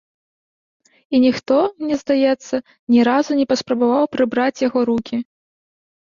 І ніхто, мне здаецца, ні разу не паспрабаваў прыбраць яго рукі.